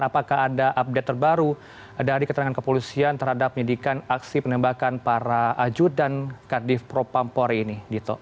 apakah ada update terbaru dari keterangan kepolisian terhadap penyidikan aksi penembakan para ajudan kadif propampori ini